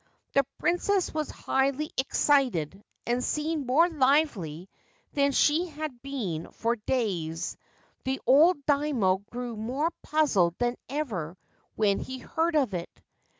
The Princess was highly excited, and seemed more lively than she had been for days ; the old Daimio grew more puzzled than ever when he heard of it.